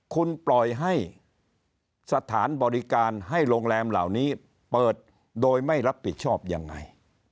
คุณปล่อยให้สถานบริการให้โรงแรมเหล่านี้เปิดโดยไม่รับผิดชอบยังไง